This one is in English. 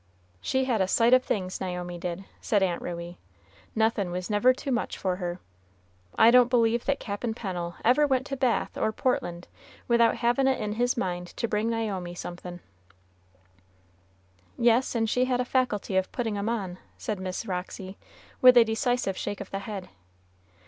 "She had a sight of things, Naomi did," said Aunt Ruey. "Nothin' was never too much for her. I don't believe that Cap'n Pennel ever went to Bath or Portland without havin' it in his mind to bring Naomi somethin'." "Yes, and she had a faculty of puttin' of 'em on," said Miss Roxy, with a decisive shake of the head.